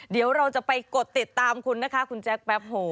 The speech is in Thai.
เดี๋ยวเราจะไปกดติดตามคุณนะคะคุณแจ๊คแป๊บโห